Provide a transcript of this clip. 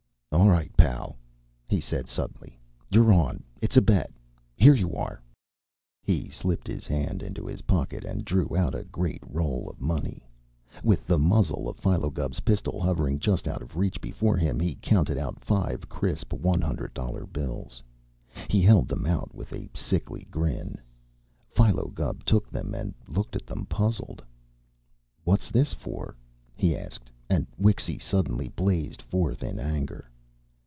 "All right, pal," he said suddenly. "You're on. It's a bet. Here you are." He slipped his hand into his pocket and drew out a great roll of money. With the muzzle of Philo Gubb's pistol hovering just out of reach before him, he counted out five crisp one hundred dollar bills. He held them out with a sickly grin. Philo Gubb took them and looked at them, puzzled. "What's this for?" he asked, and Wixy suddenly blazed forth in anger.